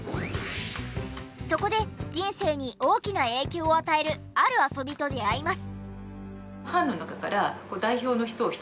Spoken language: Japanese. そこで人生に大きな影響を与えるある遊びと出会います。